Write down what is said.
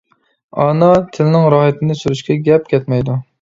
ئانا تىلنىڭ راھىتىنى سۈرۈشكە گەپ كەتمەيدۇ.